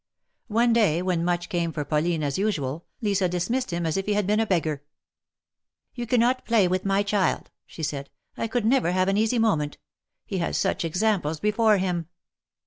One day, when Much came for Pauline as usual, Lisa dismissed him as if he had been a beggar. '' He cannot play with my child," she said. I could never have an easy moment ; he has such examples before him."